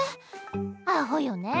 アホよね